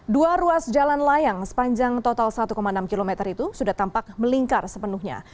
dua ruas jalan layang sepanjang total satu enam km itu sudah tampak melingkar sepenuhnya